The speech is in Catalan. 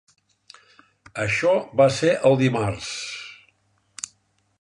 Això va ser el dimarts.